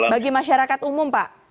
bagi masyarakat umum pak